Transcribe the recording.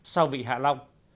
sau vị hạ long